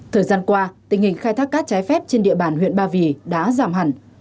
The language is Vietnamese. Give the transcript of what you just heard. thời gian qua tình hình khai thác cát trái phép trên địa bàn huyện ba vì đã giảm hẳn